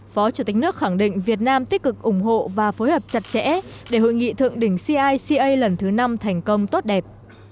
phó chủ tịch nước khẳng định việt nam tích cực ủng hộ và phối hợp chặt chẽ để hội nghị thượng đỉnh cica lần thứ năm thành công tốt đẹp